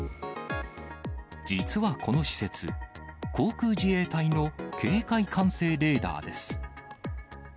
実はこの施設、航空自衛隊の警戒管制レーダーです。